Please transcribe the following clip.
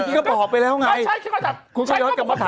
พี่ก็บอกไงดีเดี๋ยวมะ